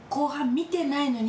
見てないのに？